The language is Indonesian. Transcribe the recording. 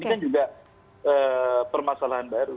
ini kan juga permasalahan baru